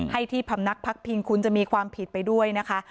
ที่พำนักพักพิงคุณจะมีความผิดไปด้วยนะคะ